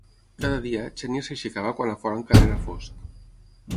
Cada dia, Xènia s'aixecava quan a fora encara era fosc.